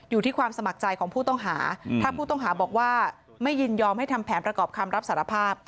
อยู่ที่ความสมัครใจของผู้ต้องหาถ้าผู้ต้องหาบอกว่าไม่ยินยอมให้ทำแผนประกอบคำรับสารภาพ